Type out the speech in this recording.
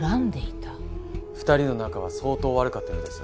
２人の仲は相当悪かったようです。